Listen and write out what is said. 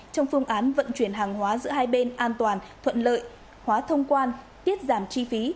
trong phương án vận chuyển hàng hóa giữa hai bên an toàn thuận lợi hóa thông quan tiết giảm chi phí